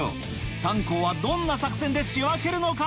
３校はどんな作戦で仕分けるのか